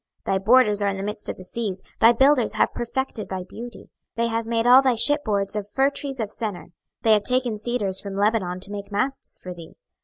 26:027:004 Thy borders are in the midst of the seas, thy builders have perfected thy beauty. 26:027:005 They have made all thy ship boards of fir trees of Senir: they have taken cedars from Lebanon to make masts for thee.